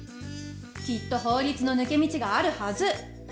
きっと法律の抜け道があるはず。